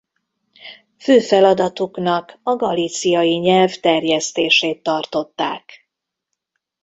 Fő feladatuknak a galiciai nyelv terjesztését tartották.